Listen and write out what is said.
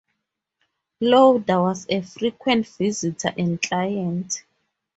Lauder was a frequent visitor and client.